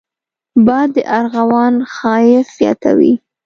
باد د ارغوان ښايست زیاتوي